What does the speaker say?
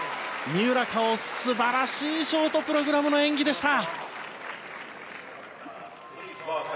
三浦佳生素晴らしいショートプログラムの演技でした。